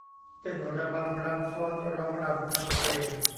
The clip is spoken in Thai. เต้นระบำรำฟ้อน ร้องรำทำเพลง